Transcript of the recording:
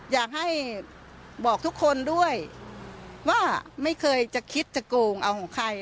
อยากให้บอกทุกคนด้วยว่าไม่เคยจะคิดจะโกงเอาของใคร